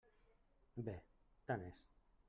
Bé, tant és.